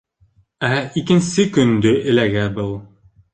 Ә икенсе көндө эләгә был.